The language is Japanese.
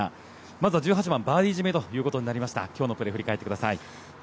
まずは１８番、バーディー締めでした今日のプレーを振り返ってください。